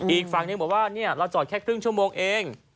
อีกฝั่งที่แบบว่าเนี่ยเราจอดแค่ครึ่งชั่วโมงเอง